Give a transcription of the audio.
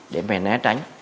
để về né tránh